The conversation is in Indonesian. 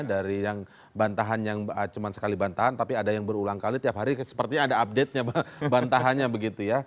dari yang bantahan yang cuma sekali bantahan tapi ada yang berulang kali tiap hari sepertinya ada update nya bantahannya begitu ya